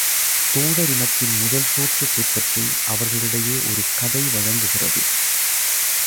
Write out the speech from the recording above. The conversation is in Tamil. தோடர் இனத்தின் முதல் தோற்றத்தைப்பற்றி அவர்களிடையே ஒரு கதை வழங்குகிறது.